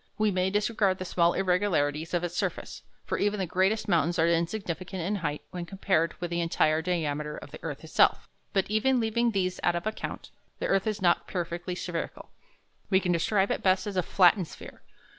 We may disregard the small irregularities of its surface, for even the greatest mountains are insignificant in height when compared with the entire diameter of the earth itself. But even leaving these out of account, the earth is not perfectly spherical. We can describe it best as a flattened sphere.